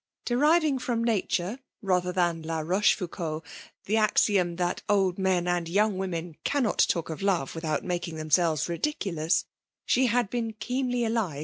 Deriving from nature (rather than La Roche foucault) the axiom that old men and young women cannot talk of love without making themselves ridiculous^ she had been keenly FEMALK DOMINATION.